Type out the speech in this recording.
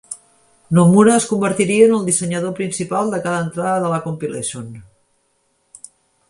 Nomura es convertiria en el dissenyador principal de cada entrada de la "Compilation".